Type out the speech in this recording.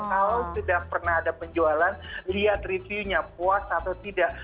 kalau sudah pernah ada penjualan lihat review nya puas atau tidak